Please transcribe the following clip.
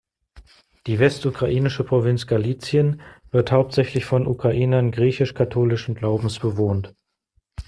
Die westukrainische Provinz Galizien wird hauptsächlich von Ukrainern griechisch-katholischen Glaubens bewohnt.